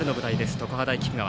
常葉大菊川。